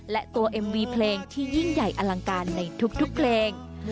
และตัวเอ็มวีเพลงที่ยิ่งใหญ่อลังการในทุกเพลง